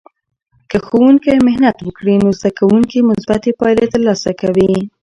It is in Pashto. که ښوونکی محنت وکړي، نو زده کوونکې مثبتې پایلې ترلاسه کوي.